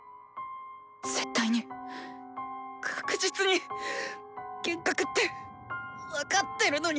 絶対に確実に幻覚って分かってるのに。